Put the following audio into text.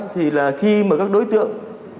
thì là khi mà các đối tượng